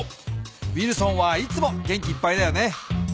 ウィルソンはいつも元気いっぱいだよね。